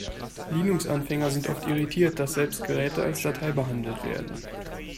Linux-Anfänger sind oft irritiert, dass selbst Geräte als Datei behandelt werden.